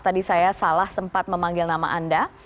tadi saya salah sempat memanggil nama anda